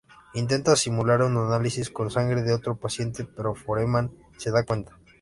Intenta simular un análisis con sangre de otro paciente, pero Foreman se da cuenta.